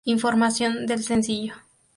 Información del sencillo